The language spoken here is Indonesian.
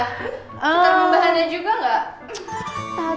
cetar pembahannya juga gak